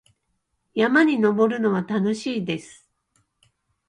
山に登るのは楽しいです。